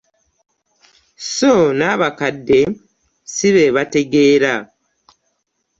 Sso n'abakadde si bebategeera .